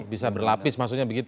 bisa berlapis maksudnya begitu